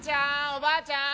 おばあちゃん！